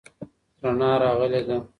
رڼا راغلې ده.